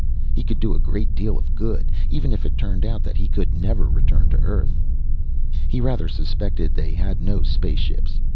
He could do a great deal of good, even if it turned out that he could never return to Earth. He rather suspected that they had no spaceships.